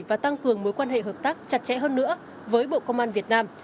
và tăng cường mối quan hệ hợp tác chặt chẽ hơn nữa với bộ công an việt nam